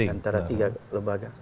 antara tiga lembaga